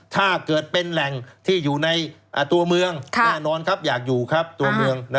ถ้าเกิดเป็นแหล่งที่อยู่ในตัวเมืองแน่นอนครับอยากอยู่ครับตัวเมือง